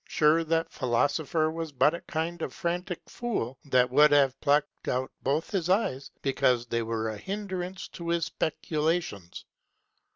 Book II, sure that Philosopher was but a kind of frantic fool, that would have pluck'd out both his Eyes, because they were a hindrance to his speculations.